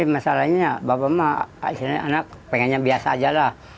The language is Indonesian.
masalahnya bapak mah istilahnya anak pengennya biasa aja lah